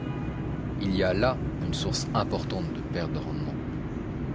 Il y a là une source importante de perte de rendement.